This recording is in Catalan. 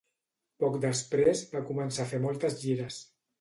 Poc després, va començar a fer moltes gires.